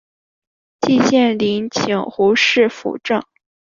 季羡林请胡适斧正。